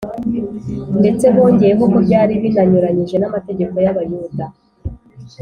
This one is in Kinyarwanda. ndetse bongeyeho ko byari binanyuranije n’amategeko y’abayuda